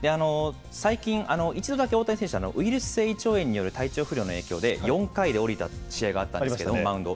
最近、一度だけ大谷選手、ウイルス性胃腸炎による体調不良の影響で、４回でおりた試合があったんですけど、マウンド。